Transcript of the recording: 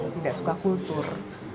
tidak suka kultur